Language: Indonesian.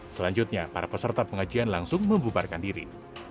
selanjutnya para peserta pengajian langsung membubarkan diri